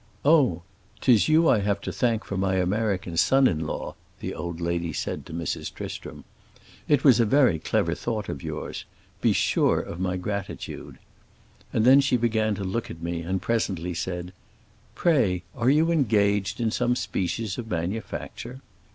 'Oh, 'tis you I have to thank for my American son in law,' the old lady said to Mrs. Tristram. 'It was a very clever thought of yours. Be sure of my gratitude.' And then she began to look at me and presently said, 'Pray, are you engaged in some species of manufacture?